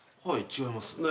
はい違います。